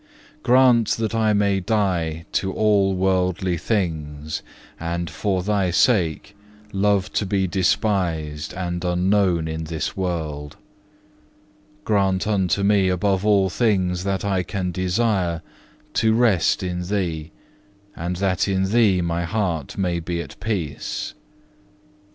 4. Grant that I may die to all worldly things, and for Thy sake love to be despised and unknown in this world. Grant unto me, above all things that I can desire, to rest in Thee, and that in Thee my heart may be at peace.